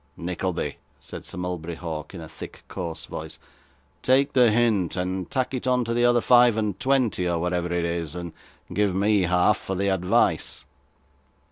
'Nickleby,' said Sir Mulberry Hawk, in a thick coarse voice, 'take the hint, and tack it on the other five and twenty, or whatever it is, and give me half for the advice.